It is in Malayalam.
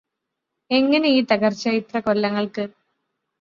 എങ്ങനെ ഈ തകർച്ച ഇത്ര കൊല്ലങ്ങൾക്ക്